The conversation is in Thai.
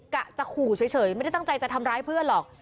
กะจะขู่เฉยไม่ได้ตั้งใจจะทำร้ายเพื่อนหรอก